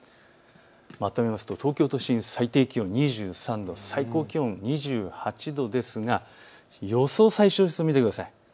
まとめると東京都心、最低気温、２３度、最高気温２８度ですが予想最小湿度を見てください。